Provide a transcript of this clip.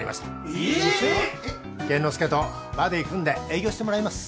玄之介とバディー組んで営業してもらいます。